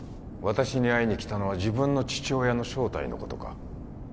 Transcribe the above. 私に会いに来たのは自分の父親の正体のことか？